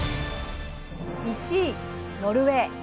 １位ノルウェー。